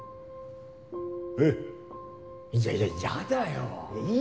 いやいややだよ！